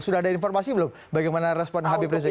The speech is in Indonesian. sudah ada informasi belum bagaimana respon habib rizik